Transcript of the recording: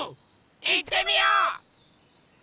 いってみよう！